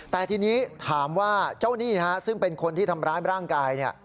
แต่ทีนี้ถามว่าเจ้าหนี้ซึ่งเป็นคนที่ทำร้ายร่างกาย